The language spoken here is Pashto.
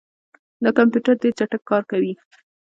دا کمپیوټر ډېر چټک کار کوي.